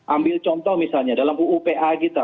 ambil contoh misalnya dalam uupa kita